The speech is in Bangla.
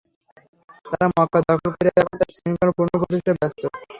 তারা মক্কা দখল করে এখন তার শৃঙ্খলা পুনঃপ্রতিষ্ঠায় ব্যস্ত।